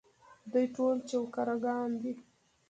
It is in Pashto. دوی ټول چوکره ګان دي.